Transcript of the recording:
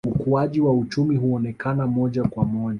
ukuaji wa uchumi haukuonekana moja kwa moja